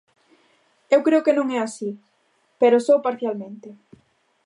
Eu creo que non é así, pero só parcialmente.